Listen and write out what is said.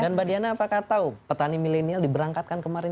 dan mbak diana apakah tahu petani milenial diberangkatkan kemarin